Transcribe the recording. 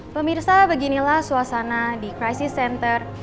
pemirsa beginilah suasana di crisis center